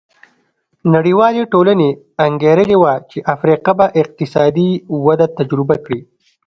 نړیوالې ټولنې انګېرلې وه چې افریقا به اقتصادي وده تجربه کړي.